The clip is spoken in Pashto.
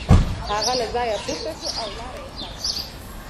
هغه له ځایه پورته شو او لار یې خلاصه کړه.